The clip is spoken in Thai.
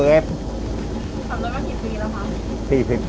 สำเร็จว่าปีปีแล้วคะ